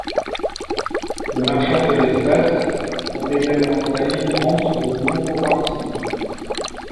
Les marcheurs de l'espace ont également installé une rampe sur le nouveau compartiment.